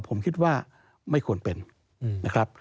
ผมคิดว่าไม่ควรเป็นนะครับ